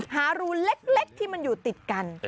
หารูนเล็กที่มันอยู่ติดกัน